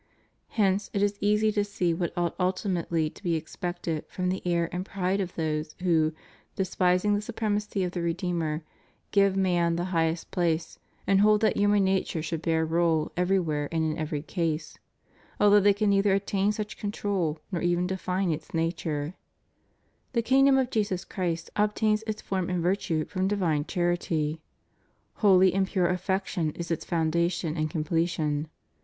Hence it is easy to see what ought ultimately to be expected from the error and pride of those who, despising the supremacy of the Redeemer, give man the highest place, and hold that human nature should bear rule every where and in every case ; although they can neither attain such control, nor even define its nature The kingdom of Jesus Christ obtains its form and virtue from divine charity; holy and pure affection is its foundation and completion.